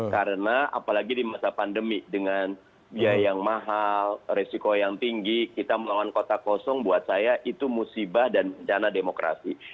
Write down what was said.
karena apalagi di masa pandemi dengan biaya yang mahal resiko yang tinggi kita melawan kota kosong buat saya itu musibah dan bencana demokrasi